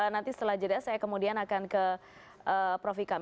nanti setelah jeda saya kemudian akan ke proficam